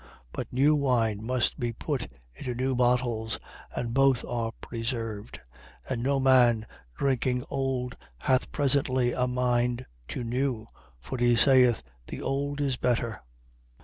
5:38. But new wine must be put into new bottles: and both are preserved. 5:39. And no man drinking old hath presently a mind to new: for he saith: The old is better.